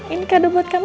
ini kado buat kamu